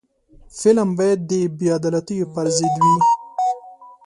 فلم باید د بې عدالتیو پر ضد وي